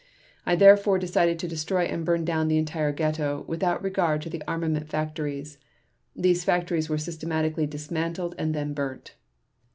I therefore decided to destroy and burn down the entire ghetto, without regard to the armament factories. These factories were systematically dismantled and then burnt.